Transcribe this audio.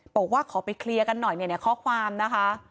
บอกว่าขอไปเคลียร์กันหน่อยเนี่ยข้อความนะคะ